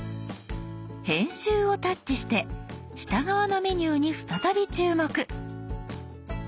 「編集」をタッチして下側のメニューに再び注目。